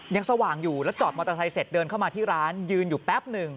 สว่างอยู่แล้วจอดมอเตอร์ไซค์เสร็จเดินเข้ามาที่ร้านยืนอยู่แป๊บหนึ่ง